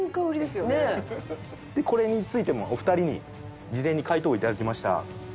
これについてもお二人に事前に回答を頂きました。